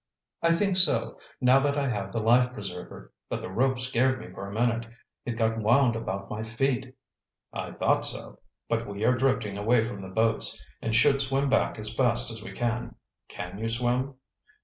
"I think so, now that I have the life preserver. But the rope scared me for a minute. It got wound about my feet." "I thought so. But we are drifting away from the boats, and should swim back as fast as we can. Can you swim?"